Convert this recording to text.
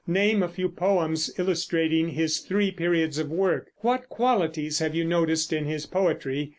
Name a few poems illustrating his three periods of work. What qualities have you noticed in his poetry?